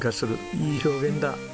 いい表現だ。